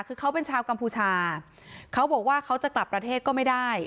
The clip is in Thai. คือเขาเป็นชาวกัมพูชาเขาบอกว่าเขาจะกลับประเทศก็ไม่ได้